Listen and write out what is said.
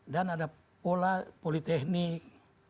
dan ada pola politeknik